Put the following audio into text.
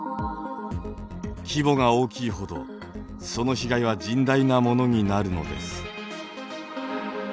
規模が大きいほどその被害は甚大なものになるのです。